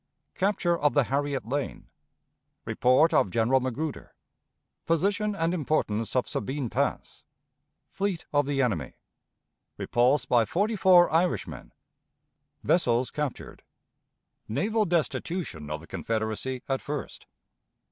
Capture of the Harriet Lane. Report of General Magruder. Position and Importance of Sabine Pass. Fleet of the Enemy. Repulse by Forty four Irishmen. Vessels captured. Naval Destitution of the Confederacy at first.